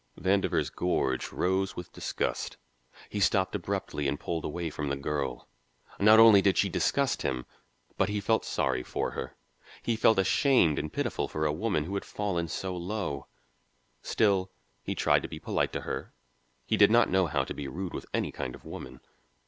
Vandover's gorge rose with disgust. He stopped abruptly and pulled away from the girl. Not only did she disgust him, but he felt sorry for her; he felt ashamed and pitiful for a woman who had fallen so low. Still he tried to be polite to her; he did not know how to be rude with any kind of woman.